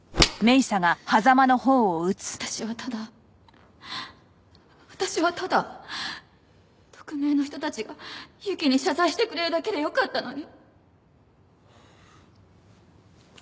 私はただ私はただ匿名の人たちがＹＵＫＩに謝罪してくれるだけでよかったのに。